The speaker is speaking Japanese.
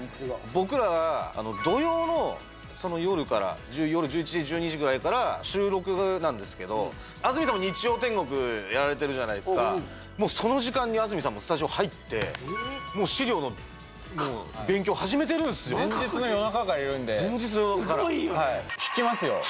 僕ら土曜の夜から夜１１時１２時ぐらいから収録なんですけど安住さんも「日曜天国」やられてるじゃないですかもうその時間に安住さんもスタジオ入って資料の勉強始めてるんすよ前日の夜中からいるんで前日の夜中からですよね！